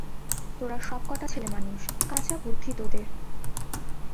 তোরা সবকটা ছেলেমানুষ, কাঁচা বুদ্ধি তোদের।